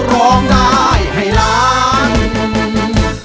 ร้องได้ให้ล้าน